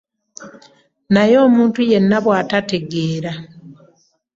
Naye omuntu yenna bw'atategeera, aleme okutegeera.